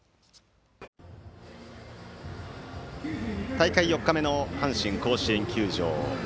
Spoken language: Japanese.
大会４日目の阪神甲子園球場。